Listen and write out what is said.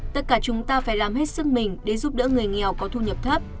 tất cả chúng ta phải làm hết sức mình để giúp đỡ người nghèo có thu nhập thấp